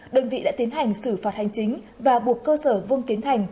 đơn vị đã tiến hành xử phạt hành chính và buộc cơ sở vương tiến hành